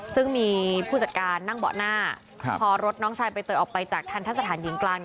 ซึ่งมีผู้จัดการนั่งเบาะหน้าพอรถน้องชายใบเตยออกไปจากทันทะสถานหญิงกลาง